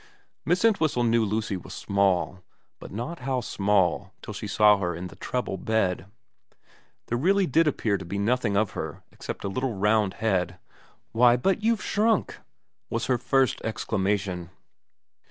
Miss Entwhistle knew Lucy was small, but not how small till she saw her in the treble bed. There really did appear to be nothing of her except a little round head. ' Why, but you've shrunk !' was her first exclamation.